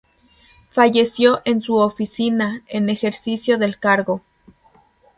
Falleció en su oficina, en ejercicio del cargo.